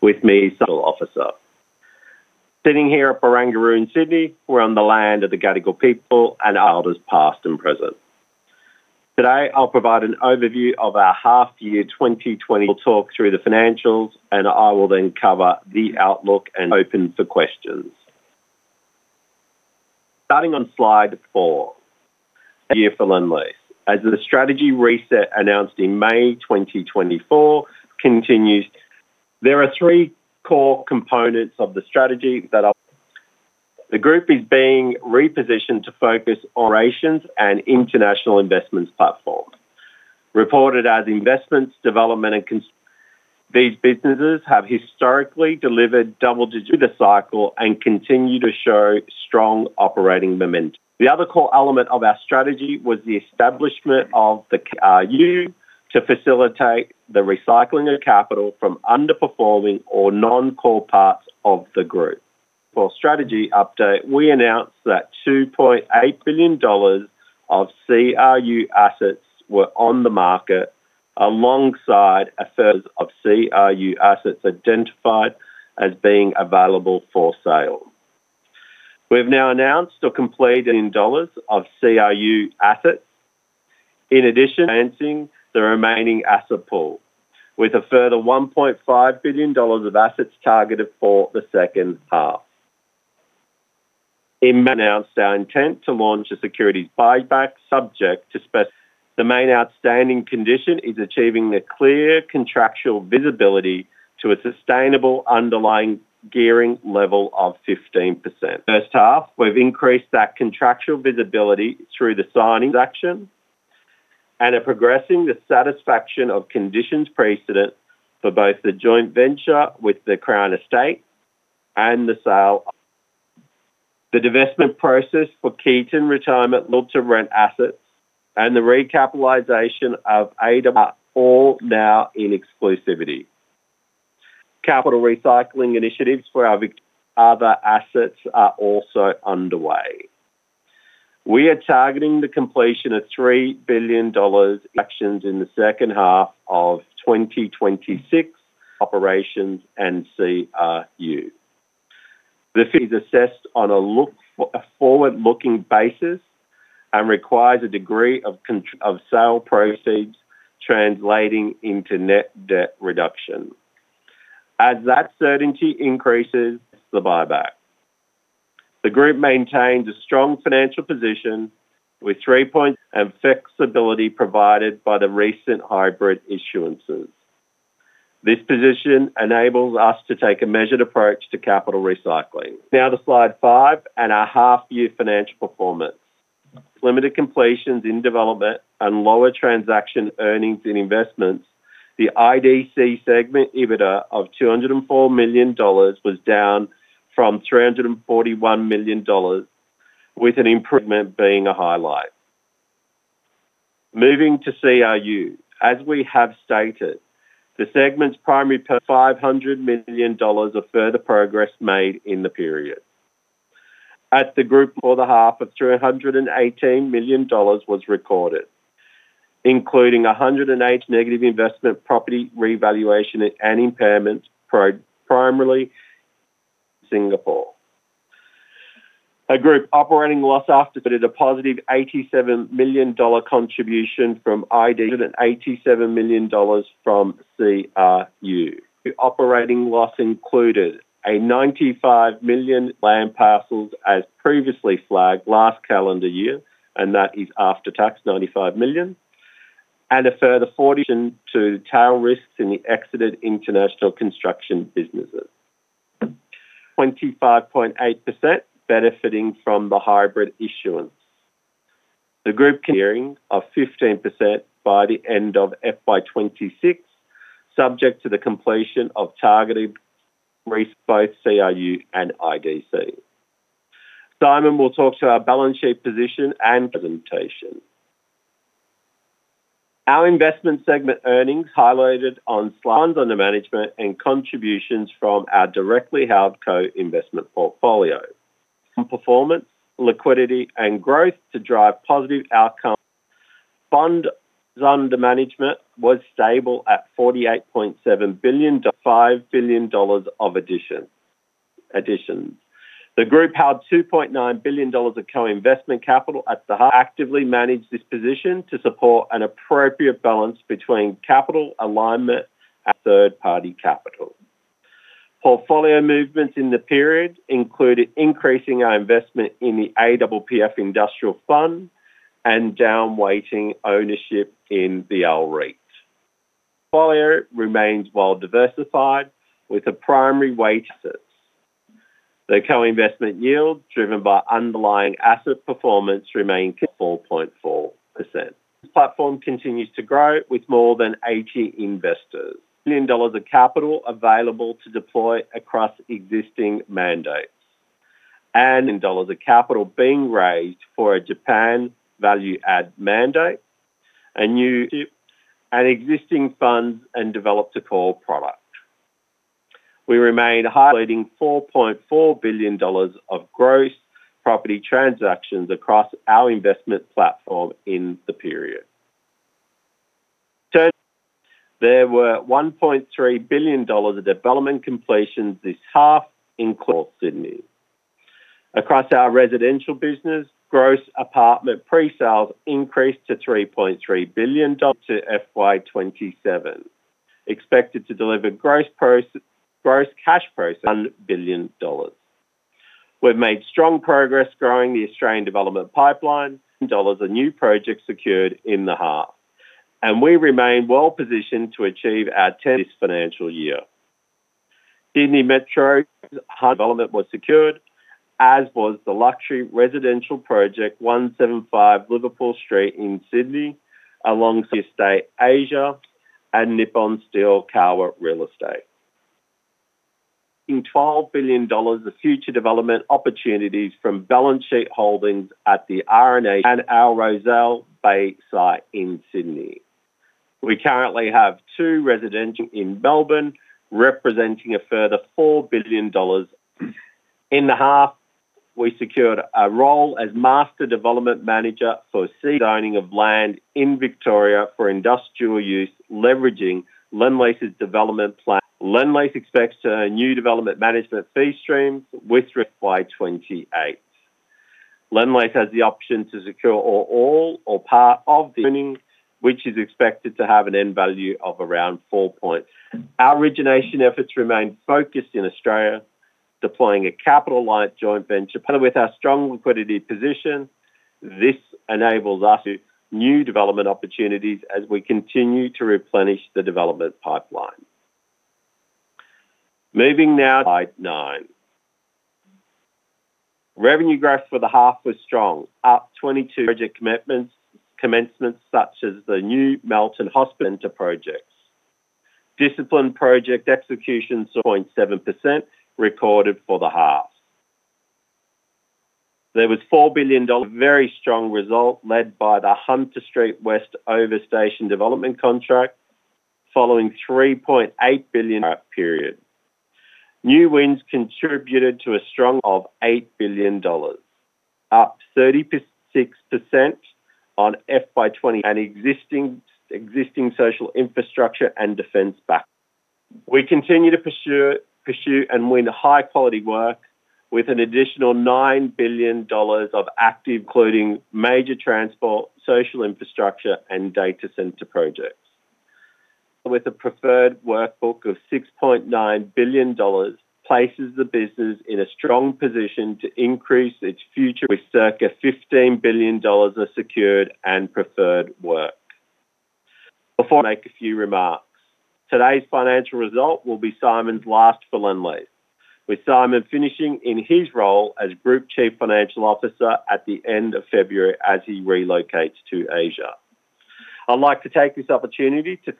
With me, Officer. Sitting here at Barangaroo in Sydney, we're on the land of the Gadigal people and elders, past and present. Today, I'll provide an overview of our half year 2020. We'll talk through the financials, I will then cover the outlook and open for questions. Starting on slide four, year for Lendlease. As the strategy reset, announced in May 2024 continues, there are three core components of the strategy that are, the group is being repositioned to focus on operations and international investments platform, reported as investments, development, and con- these businesses have historically delivered double digits with the cycle and continue to show strong operating momentum. The other core element of our strategy was the establishment of the CRU to facilitate the recycling of capital from underperforming or non-core parts of the group. For strategy update, we announced that 2.8 billion dollars of CRU assets were on the market, alongside one-third of CRU assets identified as being available for sale. We've now announced or completed in dollars of CRU assets. Advancing the remaining asset pool, with a further AUD 1.5 billion of assets targeted for the second half. In May, announced our intent to launch a securities buyback subject to spec. The main outstanding condition is achieving the clear contractual visibility to a sustainable underlying gearing level of 15%. First half, we've increased that contractual visibility through the signing action and are progressing the satisfaction of conditions precedent for both the joint venture with The Crown Estate and the sale. The divestment process for Keyton Retirement, look to rent assets, and the recapitalization of APPF, are all now in exclusivity. Capital recycling initiatives for our other assets are also underway. We are targeting the completion of 3 billion dollars actions in the second half of 2026 operations and CRU. This is assessed on a forward-looking basis and requires a degree of sale proceeds translating into net debt reduction. As that certainty increases, the buyback. The group maintains a strong financial position with three point and flexibility provided by the recent hybrid issuances. This position enables us to take a measured approach to capital recycling. To slide five and our half-year financial performance. Limited completions in development and lower transaction earnings in investments, idc Segment EBITDA of 204 million dollars was down from 341 million dollars, with an improvement being a highlight. Moving to CRU. As we have stated, the segment's primary 500 million dollars of further progress made in the period. At the group, for the half, 318 million dollars was recorded, including 108 million negative investment, property revaluation, and impairments, primarily Singapore. A group operating loss after, but a positive 87 million dollar contribution from ID, and 87 million dollars from CRU. The operating loss included 95 million land parcels as previously flagged last calendar year, that is after-tax, 95 million, and a further 14 million to tail risks in the exited international construction businesses. 25.8% benefiting from the hybrid issuance. The group carrying of 15% by the end of FY 2026, subject to the completion of targeted both CRU and IDC. Simon will talk to our balance sheet position and presentation. Our investment segment earnings highlighted on slides, Funds under management, and contributions from our directly held co-investment portfolio. Performance, liquidity, and growth to drive positive outcome. Funds under management was stable at $48.7 billion to $5 billion of addition. The group held $2.9 billion of Co-Investment Capital at the. We actively manage this position to support an appropriate balance between capital alignment and third-party capital. Portfolio movements in the period included increasing our investment in the APPF Industrial Fund and down weighting ownership in the LREIT. Portfolio remains well diversified, with a primary weight assets. The co-investment yield, driven by underlying asset performance, remained at 4.4%. Platform continues to grow with more than 80 Investors. 1,000,000 dollars of capital available to deploy across existing mandates and in AUD of capital being raised for a Japan value-add mandate, a new, and existing funds, and developed a core product. We remain highlighting 4.4 billion dollars of gross property transactions across our investment platform in the period. There were 1.3 billion dollars of development completions this half in Sydney. Across our residential business, gross apartment pre-sales increased to 3.3 billion dollars to FY 2027, expected to deliver gross cash process, 1 billion dollars. We've made strong progress growing the Australian development pipeline, AUD of new projects secured in the half, and we remain well positioned to achieve our tenth financial year. Sydney Metro development was secured, as was the luxury residential project, 175 Liverpool Street in Sydney, alongside Estate Asia and Nippon Steel Kowa Real Estate. In 12 billion dollars of future development opportunities from balance sheet holdings at the RNA and our Rozelle Bay site in Sydney. We currently have two residential in Melbourne, representing a further 4 billion dollars. In the half, we secured a role as master development manager for fee owning of land in Victoria for industrial use, leveraging Lendlease's development plan. Lendlease expects to earn new development management fee streams FY 2028. lendlease has the option to secure all or part of the winning, which is expected to have an end value of around 4. Our origination efforts remain focused in Australia, deploying a capital-light joint venture. With our strong liquidity position, this enables us to new development opportunities as we continue to replenish the development pipeline. Moving now to slide nine. Revenue growth for the half was strong, up 22 project commitments, commencements such as the new Melton Hospital projects. Disciplined project execution. 0.7% recorded for the half. There was 4 billion dollars, a very strong result led by the Hunter Street West Overstation development contract, following 3.8 billion period. New wins contributed to a strong of 8 billion dollars, up 36% on FY 2020, and existing social infrastructure and defense back. We continue to pursue and win high-quality work with an additional 9 billion dollars of active, including major transport, social infrastructure, and data center projects. With a preferred workbook of 6.9 billion dollars, places the business in a strong position to increase its future with circa 15 billion dollars of secured and preferred work. Before I make a few remarks, today's financial result will be Simon's last for Lendlease, with Simon finishing in his role as Group Chief Financial Officer at the end of February as he relocates to Asia. I'd like to take this opportunity to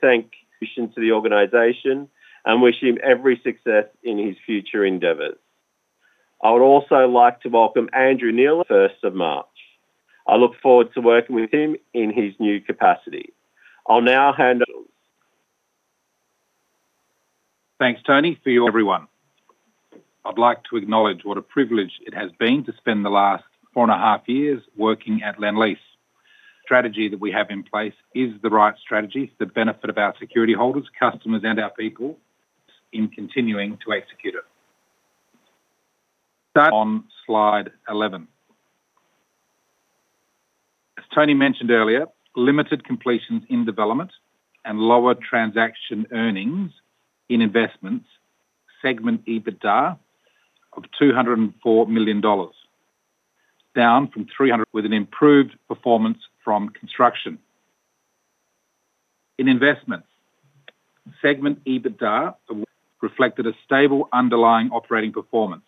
the organization and wish him every success in his future endeavors. I would also like to welcome Andrew Neil, First of March. I look forward to working with him in his new capacity. I'll now hand over to him. Thanks, Tony, for you, everyone. I'd like to acknowledge what a privilege it has been to spend the last four and a half years working at Lendlease. Strategy that we have in place is the right strategy, the benefit of our security holders, customers, and our people in continuing to execute it. Start on slide 11. As Tony mentioned earlier, limited completions in development and lower transaction earnings in investments, Segment EBITDA of $204 million, down from $300, with an improved performance from construction. In investments, Segment EBITDA reflected a stable underlying operating performance,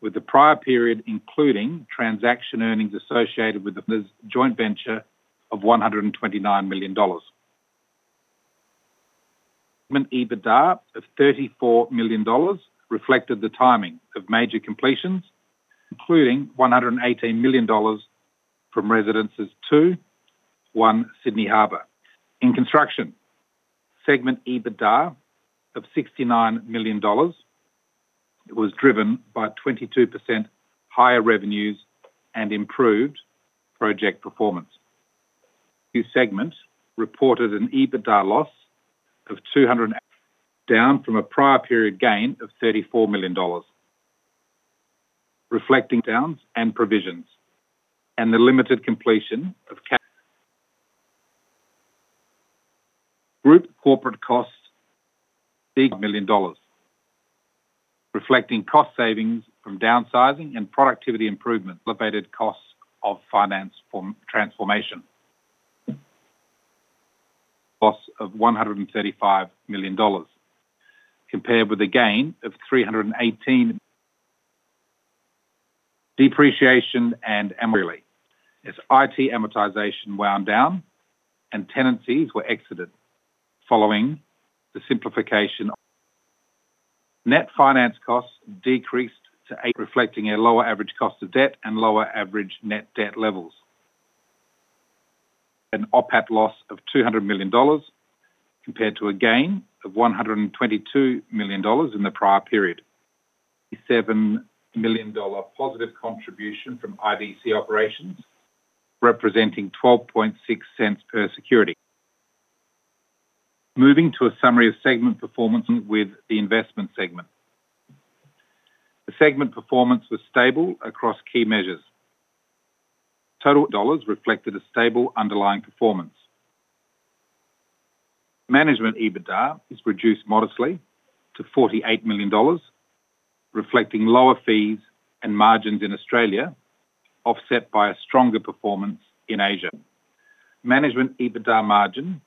with the prior period, including transaction earnings associated with the joint venture of $129 million. EBITDA of $34 million reflected the timing of major completions, including $118 million from Residences Two at One Sydney Harbour. In construction, Segment EBITDA of 69 million dollars was driven by 22% higher revenues and improved project performance. New segment reported an EBITDA loss of 200 million, down from a prior period gain of AUD 34 million, reflecting downs and provisions and the limited completion of cap. Group corporate costs, million dollars, reflecting cost savings from downsizing and productivity improvement, elevated costs of finance form transformation. Loss of 135 million dollars, compared with a gain of 318 million. Depreciation and amortization, as IT amortization wound down and tenancies were exited following the simplification. Net finance costs decreased to 8 million, reflecting a lower average cost of debt and lower average net debt levels. An OPAT loss of 200 million dollars, compared to a gain of 122 million dollars in the prior period. 7 million dollar positive contribution from IBC operations, representing 0.126 per security. Moving to a summary of segment performance with the investment segment. The segment performance was stable across key measures. Total AUD reflected a stable underlying performance. Management EBITDA is reduced modestly to 48 million dollars, reflecting lower fees and margins in Australia, offset by a stronger performance in Asia. Management EBITDA margin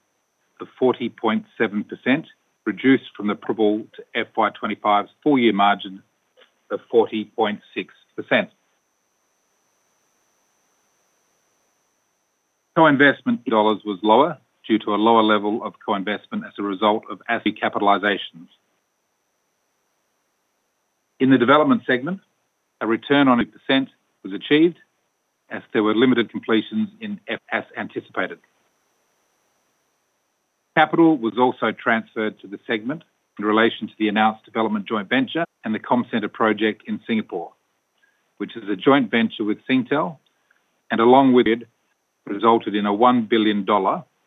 of 40.7%, reduced from the probable to FY 2025's full-year margin of 40.6%. No investment AUD was lower due to a lower level of co-investment as a result of asset capitalizations. In the development segment, a return on a percent was achieved as there were limited completions as anticipated. Capital was also transferred to the segment in relation to the announced development joint venture and the Comcentre project in Singapore, which is a joint venture with Singtel, and along with it, resulted in a $1 billion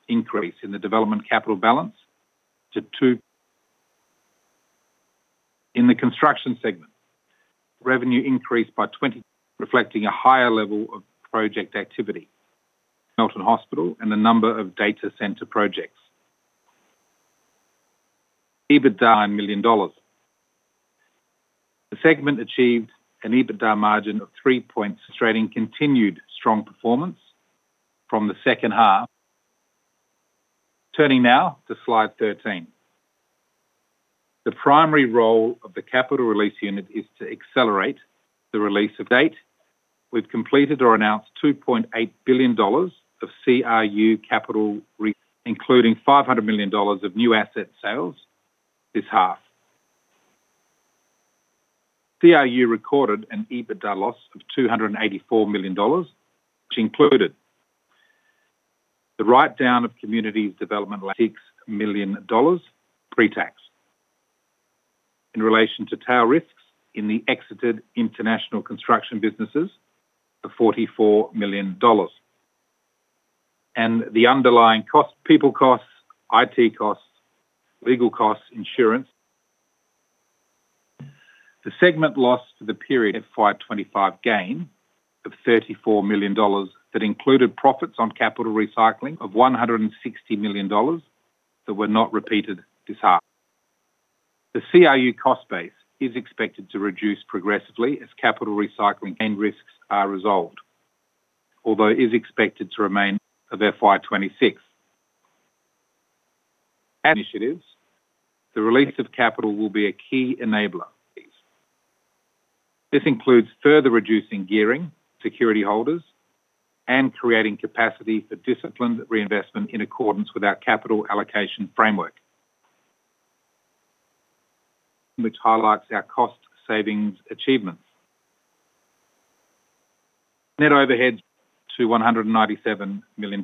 increase in the development capital balance to $2 billion. In the construction segment, revenue increased by 20, reflecting a higher level of project activity, Melton Hospital and a number of Data Center projects. EBITDA, $9 million. The segment achieved an EBITDA margin of three points, demonstrating continued strong performance from the second half. Turning now to slide 13. The primary role of the capital release unit is to accelerate the release of date. We've completed or announced $2.8 billion of CRU capital, including $500 million of new asset sales this half. CRU recorded an EBITDA loss of 284 million dollars, which included the write-down of communities development 6 million dollars pre-tax. In relation to tail risks in the exited international construction businesses of 44 million dollars and the underlying cost, people costs, IT costs, legal costs, insurance. The segment loss for the period of FY 2025 gain of 34 million dollars that included profits on capital recycling of 160 million dollars that were not repeated this half. The CRU cost base is expected to reduce progressively as capital recycling and risks are resolved, although is expected to remain of FY 2026. Initiatives, the release of capital will be a key enabler. This includes further reducing gearing security holders and creating capacity for disciplined reinvestment in accordance with our capital allocation framework, which highlights our cost savings achievements. Net overhead to AUD 197 million,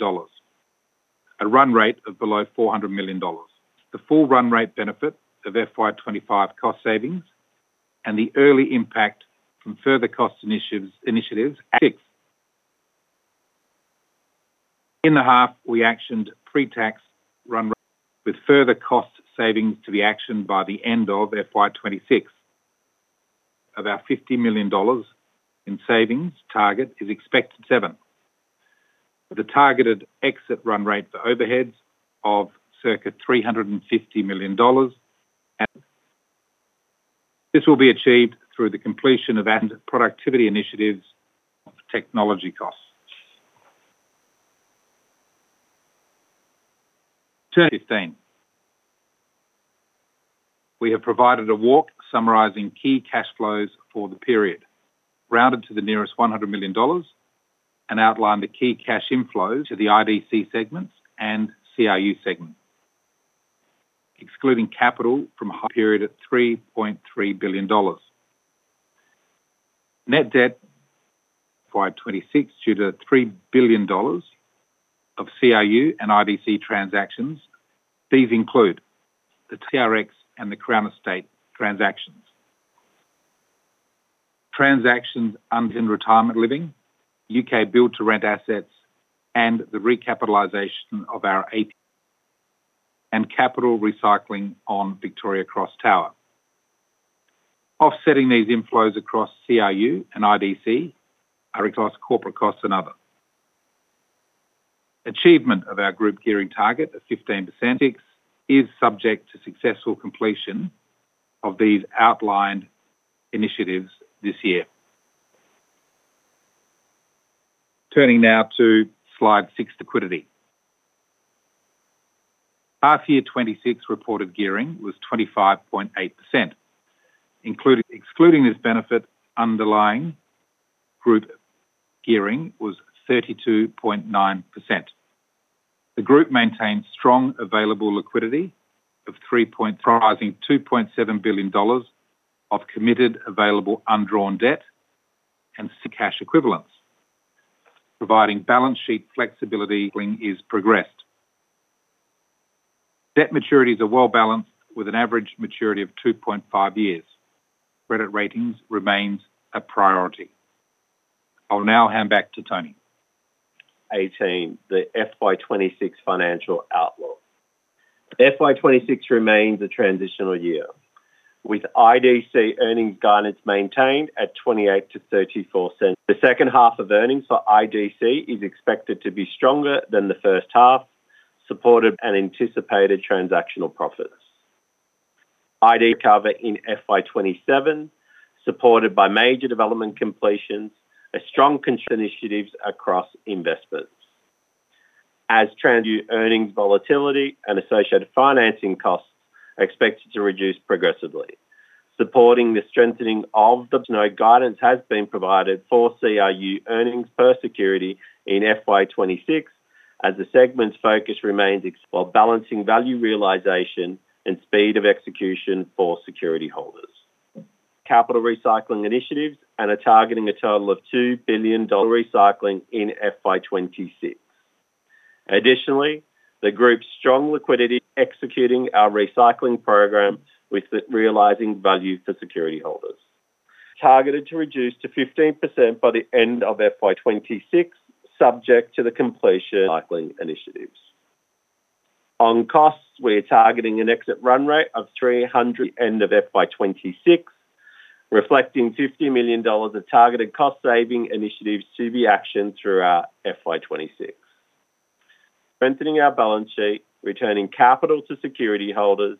a run rate of below AUD 400 million. The full run rate benefit of FY 2025 cost savings and the early impact from further cost initiatives. In the half, we actioned pre-tax run with further cost savings to be actioned by the end of FY 2026. About 50 million dollars in savings target is expected seven, with a targeted exit run rate for overheads of circa 350 million dollars. This will be achieved through the completion of added productivity initiatives of technology costs. 15. We have provided a walk summarizing key cash flows for the period, rounded to the nearest 100 million dollars and outlined the key cash inflows to the IBC segments and CRU segment. Excluding capital from a period of 3.3 billion dollars. Net debt FY 2026, due to 3 billion dollars of CRU and IBC transactions. These include the TRX and The Crown Estate transactions. Transactions in retirement living, U.K. Build-to-Rent assets, and the recapitalization of our APPF, and capital recycling on Victoria Cross Tower. Offsetting these inflows across CRU and IBC are across corporate costs and other. Achievement of our group gearing target of 15% is subject to successful completion of these outlined initiatives this year. Turning now to slide six, liquidity. Half year 2026 reported gearing was 25.8%. Excluding this benefit, underlying group gearing was 32.9%. The group maintained strong available liquidity of rising 2.7 billion dollars of committed available undrawn debt and cash equivalents, providing balance sheet flexibility when is progressed. Debt maturities are well balanced, with an average maturity of 2.5 years. Credit ratings remains a priority. I'll now hand back to Tony. 18, the FY 2026 financial outlook. FY 2026 remains a transitional year, with IDC earnings guidance maintained at 0.28-0.34. The second half of earnings for IDC is expected to be stronger than the first half, supported by anticipated transactional profits. IDC recover in FY 2027, supported by major development completions, a strong initiatives across investments. As trends, earnings volatility and associated financing costs are expected to reduce progressively, supporting the strengthening of the-- guidance has been provided for CRU earnings per security in FY 2026, as the segment's focus remains ex- while balancing value realization and speed of execution for security holders. Capital recycling initiatives and are targeting a total of 2 billion dollar recycling in FY 2026. Additionally, the group's strong liquidity executing our recycling program with the realizing value for security holders. Targeted to reduce to 15% by the end of FY 2026, subject to the completion cycling initiatives. On costs, we're targeting an exit run rate of $300 end of FY 2026, reflecting $50 million of targeted cost-saving initiatives to be actioned throughout FY 2026. Strengthening our balance sheet, returning capital to security holders,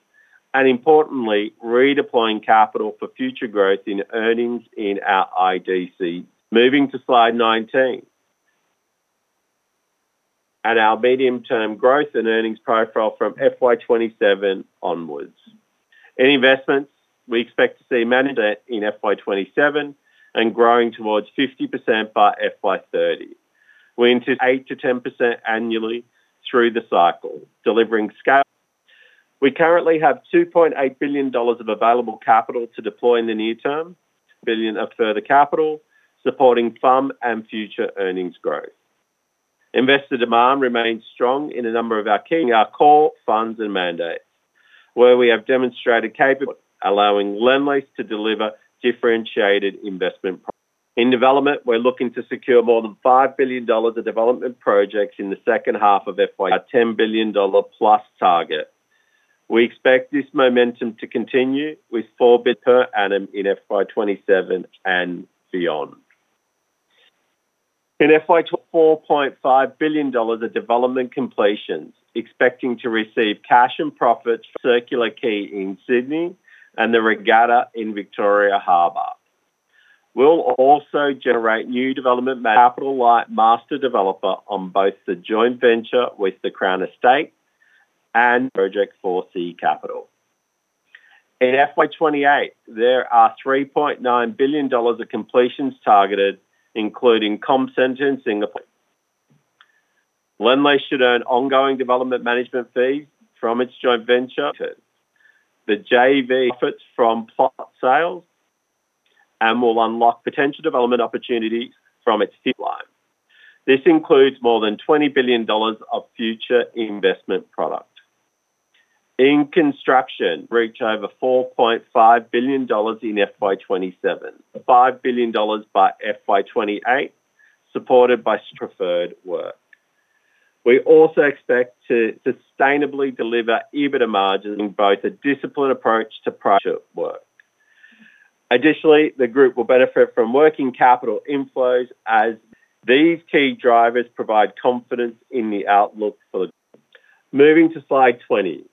and importantly, redeploying capital for future growth in earnings in our IDC. Moving to slide 19. At our medium-term growth and earnings profile from FY 2027 onwards. In investments, we expect to see manage that in FY 2027 and growing towards 50% by FY 2030. We intend 8%-10% annually through the cycle, delivering scale. We currently have $2.8 billion of available capital to deploy in the near term, billion of further capital, supporting FUM and future earnings growth. Investor demand remains strong in a number of our key, our core funds and mandates, where we have demonstrated capability, allowing Lendlease to deliver differentiated investment. In development, we're looking to secure more than 5 billion dollars of development projects in the second half of FY, our 10 billion dollar+ target. We expect this momentum to continue with 4 billion per annum in FY 2027 and beyond. FY 2028, aud 4.5 billion of development completions, expecting to receive cash and profits from Circular Quay in Sydney and the Regatta in Victoria Harbour. We'll also generate new development capital-light master developer on both the joint venture with The Crown Estate and Project Four C Capital. FY 2028, there are 3.9 billion dollars of completions targeted, including Comcentre in Singapore. Lendlease should earn ongoing development management fees from its joint venture. The JV efforts from plot sales and will unlock potential development opportunities from its fee line. This includes more than 20 billion dollars of future investment product. In construction, reach over 4.5 billion dollars in FY 2027, 5 billion dollars FY 2028, supported by preferred work. We also expect to sustainably deliver EBITDA margins in both a disciplined approach to project work. Additionally, the group will benefit from working capital inflows as these key drivers provide confidence in the outlook for the, Moving to slide 20.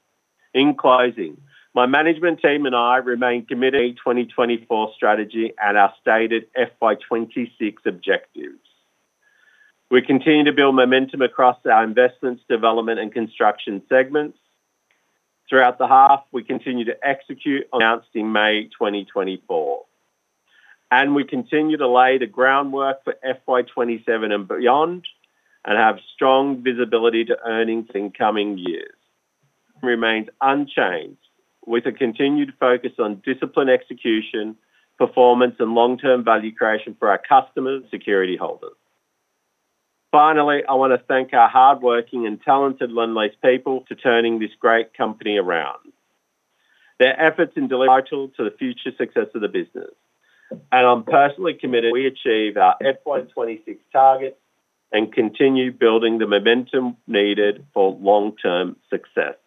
In closing, my management team and I remain committed to the 2024 strategy and our stated FY 2026objectives. We continue to build momentum across our investments, development, and construction segments. Throughout the half, we continue to execute, announced in May 2024, and we continue to lay the groundwork for FY 2027 and beyond, and have strong visibility to earnings in coming years. Remains unchanged, with a continued focus on discipline, execution, performance, and long-term value creation for our customers and security holders. Finally, I want to thank our hardworking and talented Lendlease people to turning this great company around. Their efforts and delivery are vital to the future success of the business. I'm personally committed we achieve our FY 2026 targets and continue building the momentum needed for long-term success.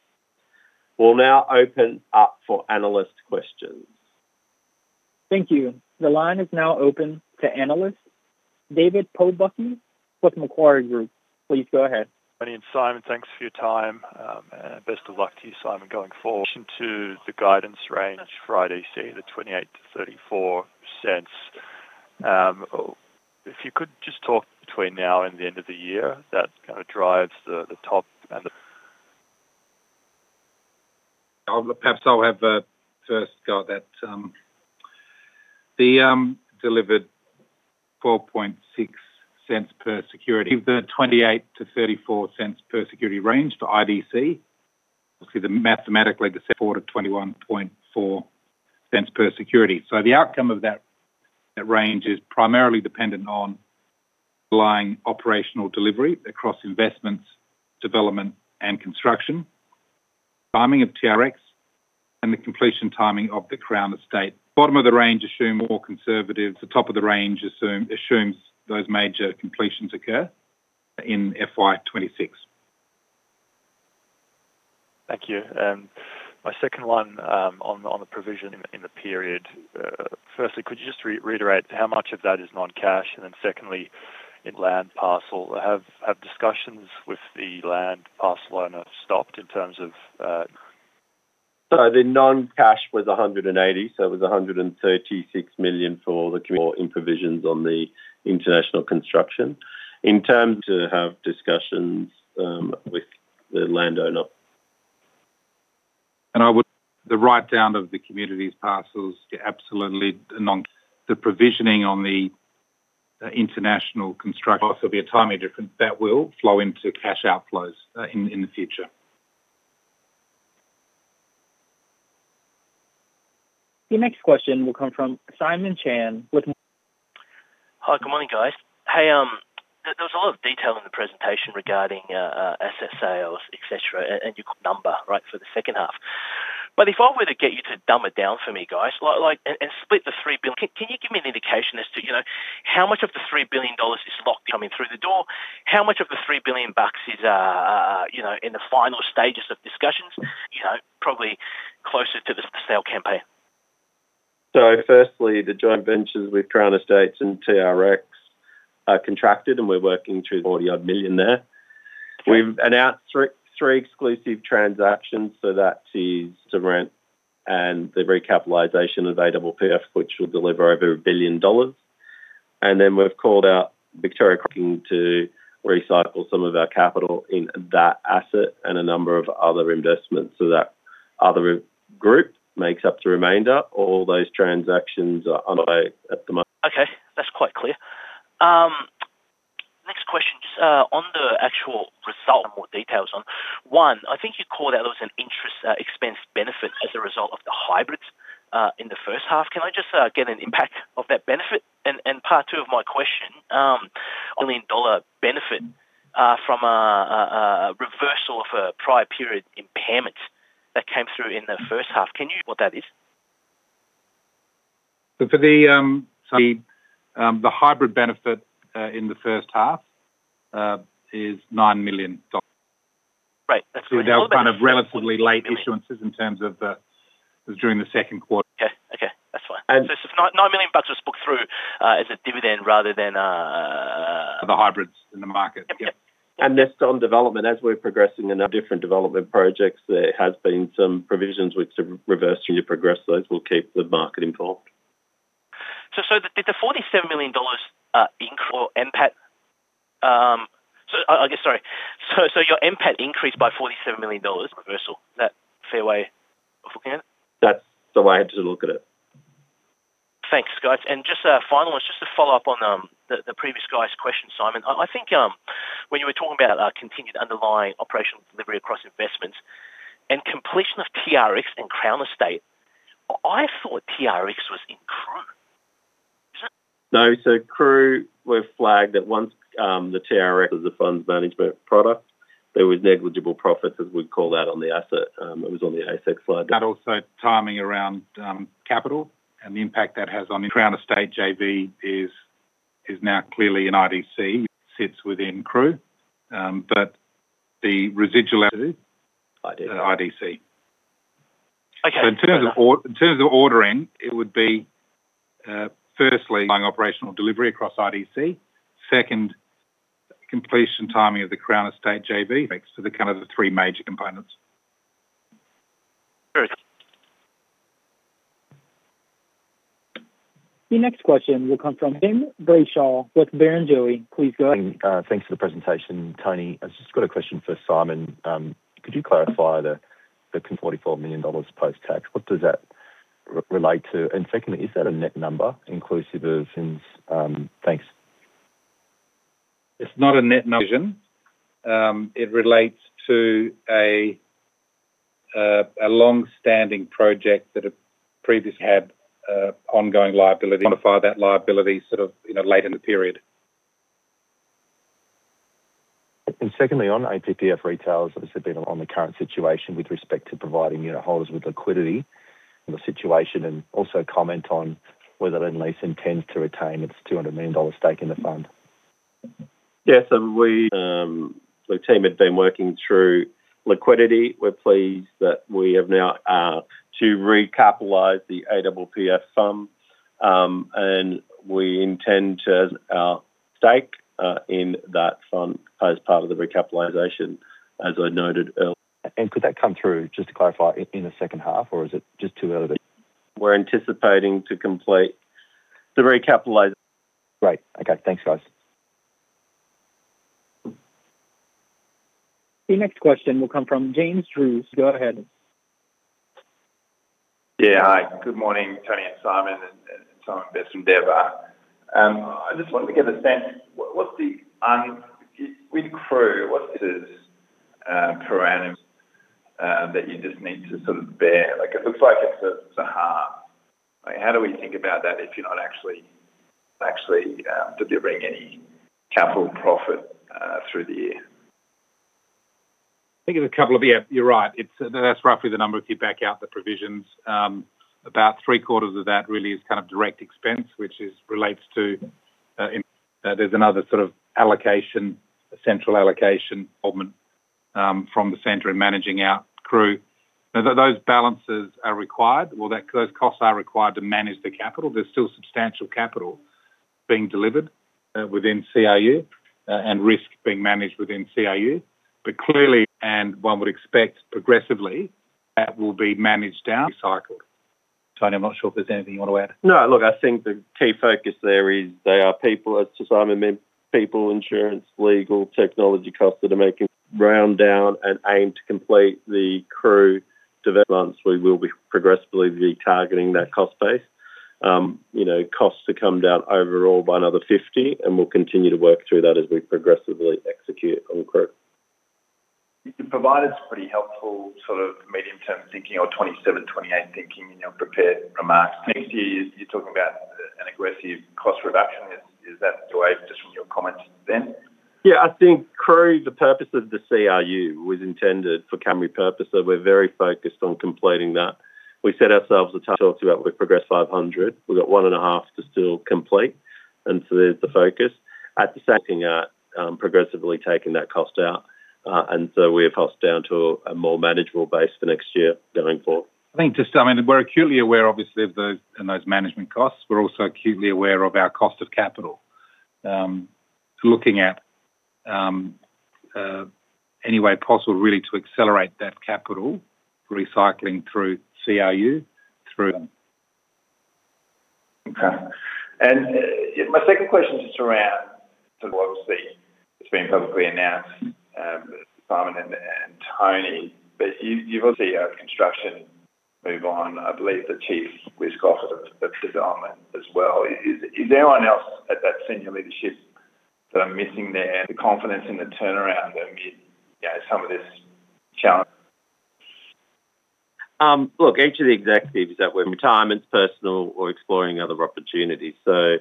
We'll now open up for analyst questions. Thank you. The line is now open to analysts. David Pobucky with Macquarie Group, please go ahead. Tony and Simon, thanks for your time. Best of luck to you, Simon, going forward. Into the guidance range for IDC, the 0.28-0.34. If you could just talk between now and the end of the year, that kind of drives the, the top and the. Perhaps I'll have a first go at that. Delivered 0.046 per security. The 0.28-0.34 per security range for IDC. The forward of 0.214 per security. The outcome of that, that range is primarily dependent on underlying operational delivery across investments, development, and construction, timing of TRX and the completion timing of The Crown Estate. Bottom of the range assume more conservative, the top of the range assumes those major completions occur in FY 2026. Thank you. My second one, on the provision in the period. Firstly, could you just reiterate how much of that is non-cash? Then secondly, in land parcel, have discussions with the land parcel owner stopped in terms of? The non-cash was 180, so it was 136 million for the quarter in provisions on the international construction. In terms to have discussions with the landowner. The write-down of the community's parcels is absolutely non... The provisioning on the international construction, there'll be a timing difference that will flow into cash outflows in the future. The next question will come from Simon Chan with. Hi, good morning, guys. Hey, there, there was a lot of detail in the presentation regarding asset sales, et cetera, and your number, right, for the second half. If I were to get you to dumb it down for me, guys, like, like, and, and split the three bill... Can, can you give me an indication as to, you know, how much of the $3 billion is coming through the door? How much of the $3 billion is, you know, in the final stages of discussions, you know, probably closer to the sale campaign? Firstly, the joint ventures with The Crown Estate and TRX are contracted, and we're working through AUD 40 odd million there. Yeah. We've announced three exclusive transactions, that is to rent and the recapitalization of APPF, which will deliver over 1 billion dollars. We've called out Victoria Cross to recycle some of our capital in that asset and a number of other investments. That other group makes up the remainder. All those transactions are underway at the moment. Okay, that's quite clear. Next question, just on the actual result, more details on. One, I think you called out there was an interest expense benefit as a result of the hybrids in the first half. Can I just get an impact of that benefit? Part two of my question, an 1 million dollar benefit from a reversal of a prior period impairment that came through in the first half. Can you... What that is? For the, Simon, the hybrid benefit, in the first half, is 9 million dollars. Right. That's- They're kind of relatively late issuances in terms of the, during the second quarter. Okay, okay, that's fine. And- It's 9 million bucks just booked through, as a dividend rather than. The hybrids in the market. Yeah. That's on development. As we're progressing in our different development projects, there has been some provisions which have reversed and you progress those, we'll keep the market informed. Did the $47 million, increase or NPAT? I, I guess, sorry. Your NPAT increased by $47 million reversal. Is that a fair way of looking at it? That's the way to look at it. Thanks, guys. Just a final one, just to follow up on the previous guy's question, Simon. When you were talking about continued underlying operational delivery across investments and completion of TRX and The Crown Estate, I thought TRX was in CRU. No, CRU, we've flagged that once, the TRX is a funds management product, there was negligible profits, as we'd call that, on the asset. It was on the ASX slide. Also timing around capital and the impact that has on The Crown Estate JV is now clearly an IDC, sits within CRU, but the residual activity- IDC. IDC. Okay. In terms of in terms of ordering, it would be, firstly, on operational delivery across IDC. Second, completion timing of The Crown Estate JV. Thanks to the kind of the three major components. Great. The next question will come from Jim Brayshaw with Barrenjoey. Please go. Thanks for the presentation, Tony. I've just got a question for Simon. Could you clarify the $44 million post-tax? What does that relate to? Secondly, is that a net number, inclusive of things? Thanks. It's not a net number. Vision. It relates to a long-standing project that have previously had ongoing liability. Quantify that liability sort of, you know, late in the period. Secondly, on APPF Retail, obviously, being on the current situation with respect to providing unitholders with liquidity in the situation, and also comment on whether Lendlease intends to retain its 200 million dollars stake in the fund. Yes. We. The team have been working through liquidity. We're pleased that we have now to recapitalize the APPF fund, and we intend to stake in that fund as part of the recapitalization, as I noted earlier. Could that come through, just to clarify, in the second half, or is it just too early? We're anticipating to complete the recapitalize- Great. Okay, thanks, guys. The next question will come from James Ruse. Go ahead. Yeah, hi. Good morning, Tony and Simon, and Simon Best from Deborah. I just wanted to get a sense, with CRU, what is per annum that you just need to sort of bear? Like, it looks like it's a half. How do we think about that if you're not actually, actually, delivering any capital profit through the year? I think there's a couple of. Yeah, you're right. It's, that's roughly the number if you back out the provisions. About three-quarters of that really is kind of direct expense, which is relates to, there's another sort of allocation, a central allocation involvement, from the center and managing our CRU. Now, those, those balances are required, or that those costs are required to manage the capital. There's still substantial capital being delivered within CRU, and risk being managed within CRU. Clearly, and one would expect progressively, that will be managed down cycle. Tony, I'm not sure if there's anything you want to add. No, look, I think the key focus there is they are people, as Simon meant, people, insurance, legal, technology costs that are making round down and aim to complete the CRU developments. We will be progressively targeting that cost base. You know, costs to come down overall by another 50, and we'll continue to work through that as we progressively execute on CRU. You've provided some pretty helpful sort of medium-term thinking or 2027, 2028 thinking in your prepared remarks. Next year, you're talking about an aggressive cost reduction. Is that the way, just from your comments then? Yeah, I think crew, the purpose of the CRU was intended for Camry purpose, so we're very focused on completing that. We set ourselves a target to about we progress 500. We've got 1.5 to still complete, and so there's the focus. At the same, progressively taking that cost out, and so we have costs down to a more manageable base for next year going forward. I think just, I mean, we're acutely aware, obviously, of those and those management costs. We're also acutely aware of our cost of capital. Looking at any way possible, really, to accelerate that capital recycling through CRU. My second question, just around obviously, it's been publicly announced, Simon and Tony. You've also construction move on. I believe the chief risk officer of development as well. Is there anyone else at that senior leadership that I'm missing there, the confidence in the turnaround amid, you know, some of this challenge? Look, each of the executives that were in retirement, personal or exploring other opportunities. So,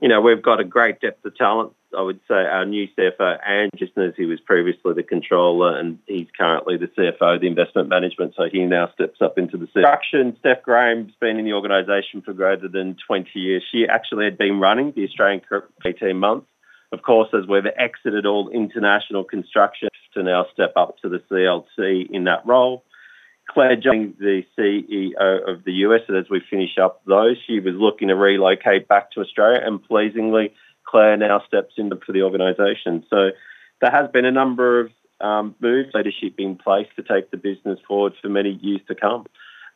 you know, we've got a great depth of talent. I would say our new CFO, Andrew, just as he was previously the controller, and he's currently the CFO of the investment management, so he now steps up into the CFO. Construction, Steph Graham's been in the organization for greater than 20 years. She actually had been running the Australian for 18 months. Of course, as we've exited all international construction to now step up to the CLC in that role. Claire joined the CEO of the U.S., and as we finish up, though, she was looking to relocate back to Australia, and pleasingly, Claire now steps in for the organization. So there has been a number of moves, leadership in place to take the business forward for many years to come.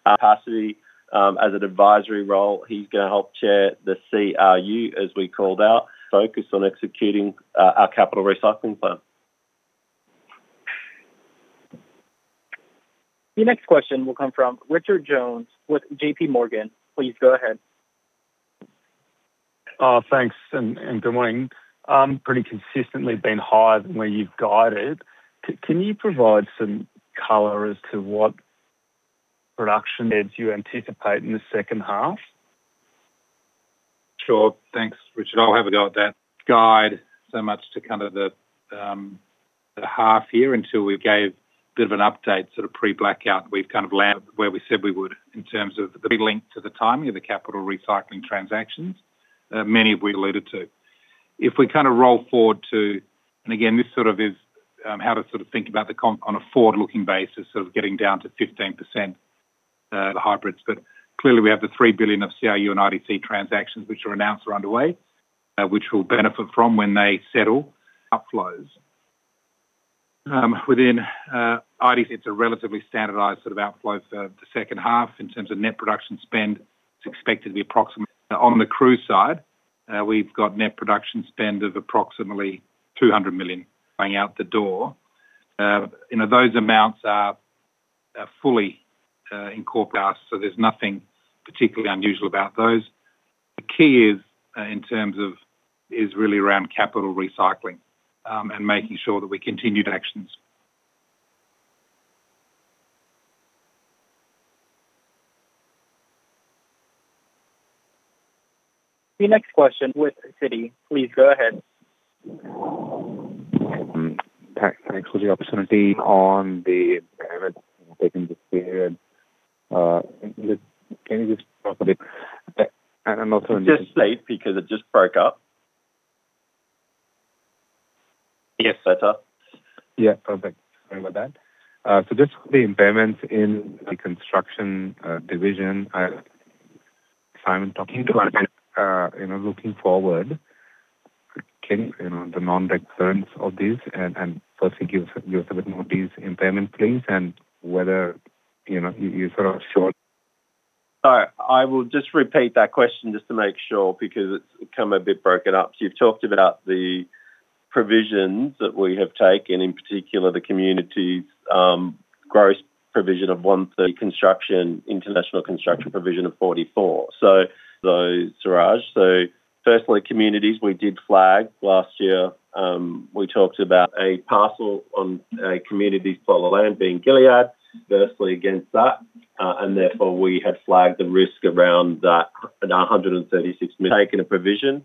Capacity, as an advisory role, he's gonna help chair the CRU, as we called out, focus on executing, our capital recycling plan. The next question will come from Richard Jones with JPMorgan. Please go ahead. Thanks, and good morning. Pretty consistently been higher than where you've guided. Can you provide some color as to what production leads you anticipate in the second half? Sure. Thanks, Richard. I'll have a go at that. Guide so much to kind of the half here until we gave a bit of an update, sort of pre-blackout. We've kind of landed where we said we would in terms of the big link to the timing of the capital recycling transactions, many of we alluded to. If we kind of roll forward to-- Again, this sort of is how to sort of think about the com on a forward-looking basis, sort of getting down to 15%, the hybrids, but clearly, we have the $3 billion of CRU and IDC transactions, which are announced are underway, which we'll benefit from when they settle, outflows. Within IDC, it's a relatively standardized sort of outflow for the second half in terms of net production spend, it's expected to be approximately... On the crew side, we've got net production spend of approximately $200 million going out the door. You know, those amounts are, are fully, incorporated, so there's nothing particularly unusual about those. The key is, in terms of, is really around capital recycling, and making sure that we continue to actions. The next question with Citi. Please go ahead. Thanks for the opportunity. On the taking this period, can you just.. Just late because it just broke up. Are you better? Yeah, perfect. Sorry about that. Just the impairments in the construction division, Simon, talking to, you know, looking forward, can, you know, the nonrecurrence of this and, and firstly, give us a bit more of these impairment claims and whether, you know, you, you sort of short-? I will just repeat that question just to make sure, because it's become a bit broken up. You've talked about the provisions that we have taken, in particular, the communities, gross provision of 130 construction, international construction provision of 44. Firstly, communities we did flag last year, we talked about a parcel on a community solar land being Gilead, adversely against that, and therefore, we have flagged the risk around that and 136 million, taking a provision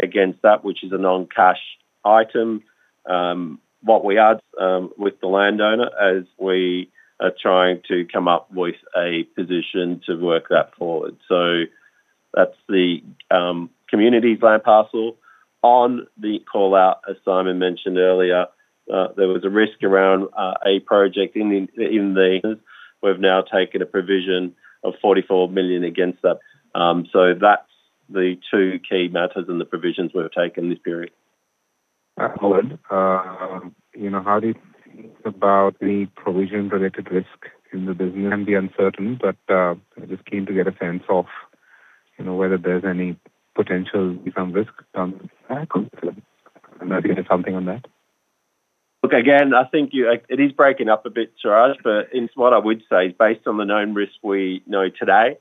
against that, which is a non-cash item. What we are, with the landowner as we are trying to come up with a position to work that forward. That's the community land parcel. On the call out, as Simon mentioned earlier, there was a risk around a project. We've now taken a provision of 44 million against that. That's the two key matters and the provisions we've taken this period. You know, how do you think about the provision-related risk in the business? Can be uncertain, but, I'm just keen to get a sense of, you know, whether there's any potential risk down the track. I'm looking at something on that. Look, again, I think you, it is breaking up a bit, Sharad, but it's what I would say is based on the known risks we know today,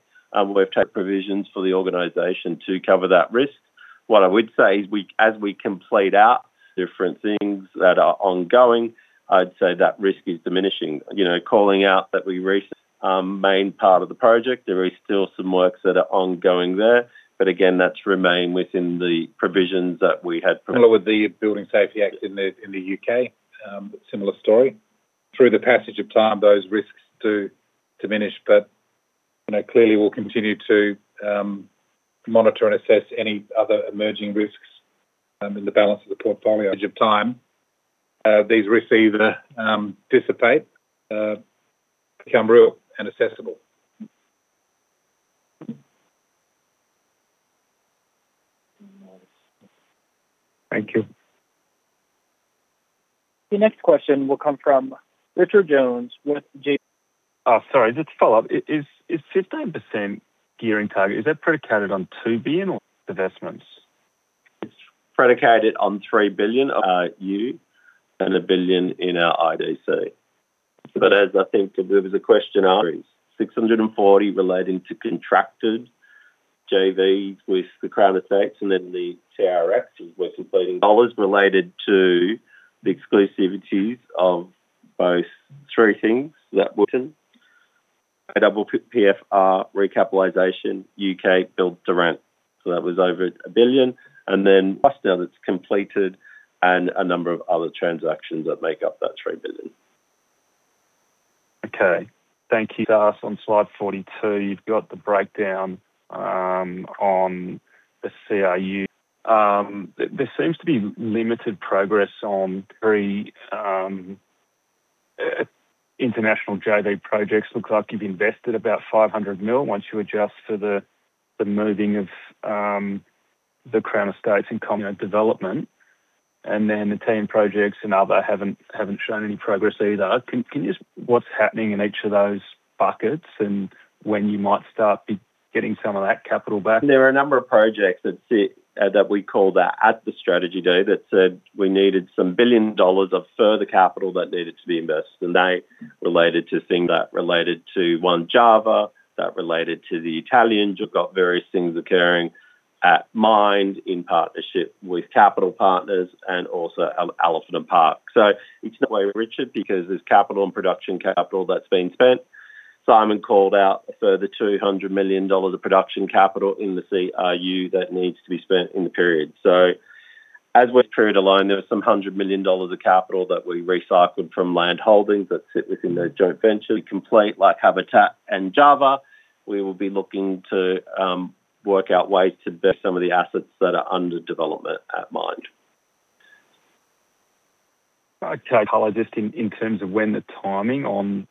we've taken provisions for the organization to cover that risk. What I would say is as we complete out different things that are ongoing, I'd say that risk is diminishing. You know, calling out that we recent, main part of the project, there is still some works that are ongoing there, but again, that's remained within the provisions that we had... Similar with the Building Safety Act in the U.K., similar story. Through the passage of time, those risks do diminish, but, you know, clearly we'll continue to monitor and assess any other emerging risks in the balance of the portfolio. Age of time, these risks either dissipate, become real and assessable. Thank you. The next question will come from Richard Jones. Oh, sorry, just to follow up. Is 15% gearing target, is that predicated on 2 billion on investments? It's predicated on $3 billion, you and $1 billion in our IDC. As I think there was a question on, 640 relating to contracted JVs with The Crown Estate and then the TRX, dollars related to the exclusivities of both three things that we, APPF recapitalization, U.K. Build-to-Rent. That was over $1 billion, and then us now that's completed and a number of other transactions that make up that $3 billion. Okay. Thank you. On slide 42, you've got the breakdown on the CRU. There seems to be limited progress on three international JV projects. Looks like you've invested about $500 million, once you adjust for the moving of the Crown Estates and common development, and then the team projects and other haven't shown any progress either. What's happening in each of those buckets and when you might start be getting some of that capital back? There are a number of projects that sit, that we call that at the strategy day, that said we needed some billion dollars of further capital that needed to be invested, and they related to things that related to one, Java, that related to the Italians. You've got various things occurring at mine in partnership with Capital Partners and also Alphington Park. It's no way, Richard, because there's capital and production capital that's being spent. Simon called out a further 200 million dollars of production capital in the CRU that needs to be spent in the period. As with period alone, there was some 100 million dollars of capital that we recycled from landholdings that sit within the joint venture. We complete, like Habitat and Java, we will be looking to work out ways to invest some of the assets that are under development at mine. Okay, Carlo, just in, in terms of when the timing on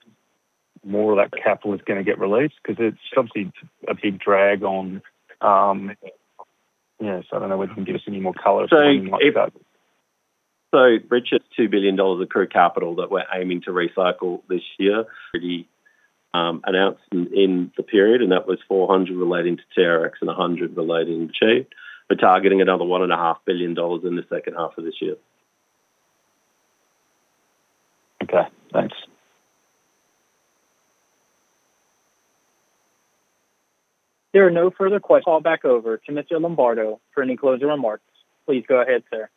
more of that capital is going to get released, because it's obviously it's a big drag on, yes, I don't know whether you can give us any more color on when you might be back. Richard, $2 billion of CRU capital that we're aiming to recycle this year. Pretty announced in the period, and that was 400 relating to TRX and 100 relating to achieve. We're targeting another $1.5 billion in the second half of this year. Okay, thanks. There are no further questions. Call back over to Mr. Lombardo for any closing remarks. Please go ahead, sir.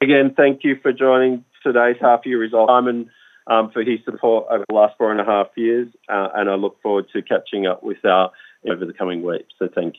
Again, thank you for joining today's half year result. Simon, for his support over the last 4.5 years, and I look forward to catching up with our over the coming weeks. Thank you.